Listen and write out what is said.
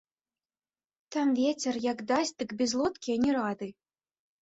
Там вецер, як дасць, дык без лодкі ані рады!